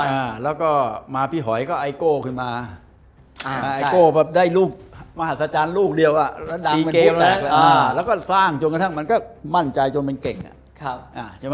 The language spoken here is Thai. บ๊วยบรรยายแล้วก็มาพี่หอยก็ไอโกขึ้นมาไอโกแบบได้ลูกมหัศจรรย์ลูกเดียวอ่ะแล้วดังมันดูแตกแล้วแล้วก็สร้างจนกระทั่งมันก็มั่นใจจนเป็นเก่งอ่ะใช่ไหม